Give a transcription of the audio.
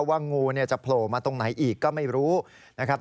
งูจะโผล่มาตรงไหนอีกก็ไม่รู้นะครับ